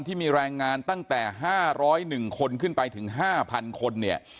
ที่มีแรงงานตั้งแต่๕๐๑คนขึ้นไปถึง๕๐๐คนเนี่ย